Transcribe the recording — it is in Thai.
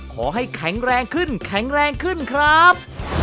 ขอให้แข็งแรงขึ้นแข็งแรงขึ้นครับ